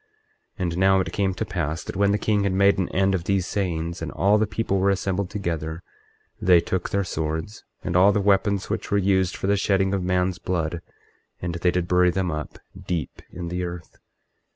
24:17 And now it came to pass that when the king had made an end of these sayings, and all the people were assembled together, they took their swords, and all the weapons which were used for the shedding of man's blood, and they did bury them up deep in the earth.